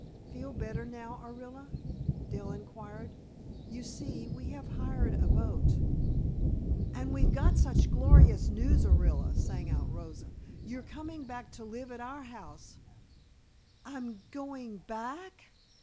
"Feel better now, Orilla?" Dell inquired. "You see, we have a hired boat " "And we've got such glorious news, Orilla," sang out Rosa. "You're coming back to live at our house " "I'm going back!"